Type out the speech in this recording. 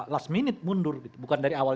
last minute mundur gitu bukan dari awal